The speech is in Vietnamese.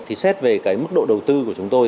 thì xét về cái mức độ đầu tư của chúng tôi